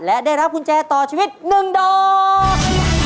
และได้รับกุญแจต่อชีวิต๑ดอก